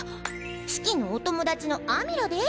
シキのお友達のアミラです。